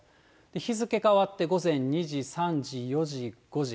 日付変わって午前２時、３時、４時、５時。